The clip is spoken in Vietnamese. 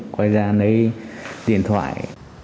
quay ra lấy điện thoại